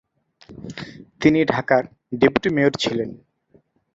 তিনি ঢাকার deputy mayor ছিলেন।